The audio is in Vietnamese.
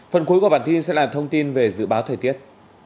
phần cuối của bản tin sẽ là thông tin về dự báo thời tiết